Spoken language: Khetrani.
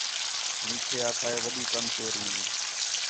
میٹھے آکھا ہِے وݙی کم چوری ہیں